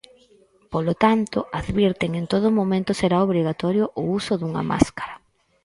Polo tanto, advirten, en todo momento será obrigatorio o uso dunha máscara.